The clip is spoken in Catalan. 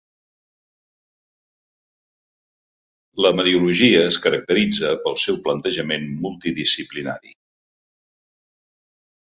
La mediologia es caracteritza pel seu plantejament multidisciplinari.